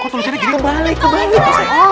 kok tulisannya gini kebalik kebalik